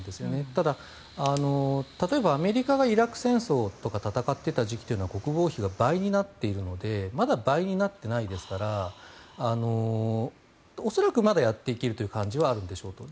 ただ、例えばアメリカがイラク戦争とか戦っていた時期は国防費が倍になっているのでまだ倍になっていないですから恐らくまだやっていけるという感じはあるんでしょうと。